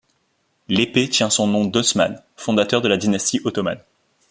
L'épée tient son nom d'Osman, fondateur de la dynastie ottomane.